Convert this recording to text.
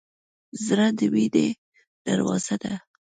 زړه د مینې دروازه ده.